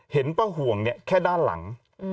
เห็นป้าห่วงเนี่ยแค่ด้านหลัง